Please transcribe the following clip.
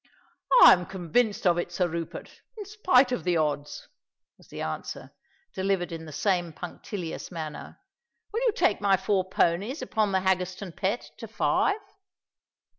"I am convinced of it, Sir Rupert, in spite of the odds," was the answer, delivered in the same punctilious manner. "Will you take my four ponies upon the Haggerstone Pet to five?"